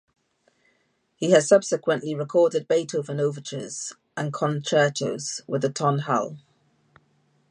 He has subsequently recorded Beethoven overtures and concertos with the Tonhalle.